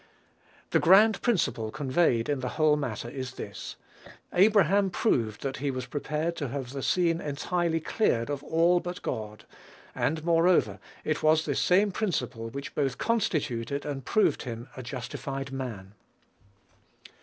The grand principle conveyed in the whole matter is this: Abraham proved that he was prepared to have the scene entirely cleared of all but God; and, moreover, it was this same principle which both constituted and proved him a justified man.